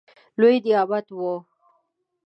لوی نعمت وو.